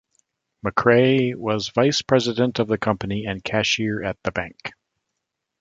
McCrea was vice-president of the company and cashier at the bank.